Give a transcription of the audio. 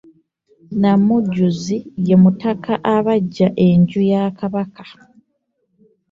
Namuguzi ye mutaka abanga enju ya Kabaka.